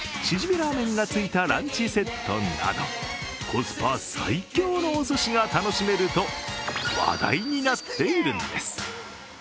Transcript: ラーメンがついたランチセットなど、コスパ最強のおすしが楽しめると話題になっているんです。